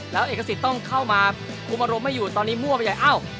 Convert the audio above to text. แล้วเอกสิทธิ์ต้องเข้ามาคุมอารมณ์ไม่อยู่ตอนนี้มั่วไปใหญ่อ้าว